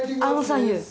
あのさ優。